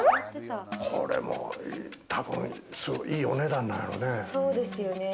これもうたぶん、いいお値段なんやろうね。